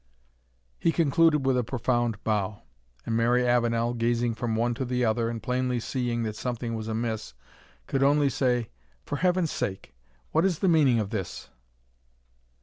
He concluded with a profound bow; and Mary Avenel, gazing from one to the other, and plainly seeing that something was amiss, could only say, "For heaven's sake, what is the meaning of this?"